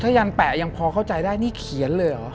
ยันแปะยังพอเข้าใจได้นี่เขียนเลยเหรอ